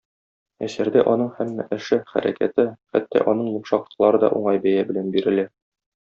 Әсәрдә аның һәммә эше, хәрәкәте, хәтта аның йомшаклыклары да уңай бәя белән бирелә.